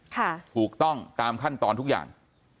ถูกต้องตามขั้นตอนทุกอย่าง